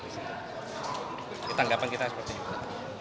ini tanggapan kita seperti itu pak